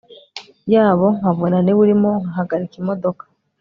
yabo nkabona niwe urimo nkahagarika imodoka